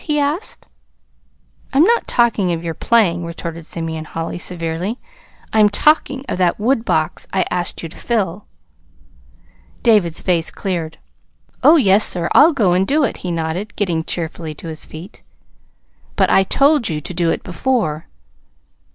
he asked. "I'm not talking of your playing," retorted Simeon Holly severely. "I'm talking of that woodbox I asked you to fill." David's face cleared. "Oh, yes, sir. I'll go and do it," he nodded, getting cheerfully to his feet. "But I told you to do it before."